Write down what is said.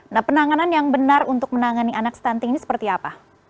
nah penanganan yang benar untuk menangani anak stunting ini seperti apa